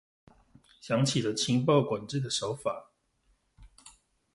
想起了情報管制的手法